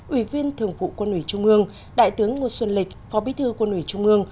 ủy viên thường vụ quân ủy trung ương đại tướng ngô xuân lịch phó bí thư quân ủy trung ương